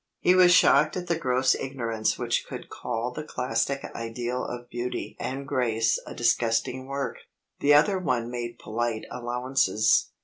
He was shocked at the gross ignorance which could call the classic ideal of beauty and grace a disgusting work. The other one made polite allowances.